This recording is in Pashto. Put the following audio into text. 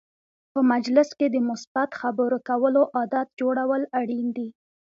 په مجلس کې د مثبت خبرو کولو عادت جوړول اړین دي.